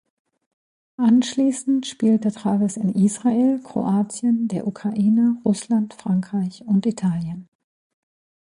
Anschließend spielte Travis in Israel, Kroatien, der Ukraine, Russland, Frankreich und Italien.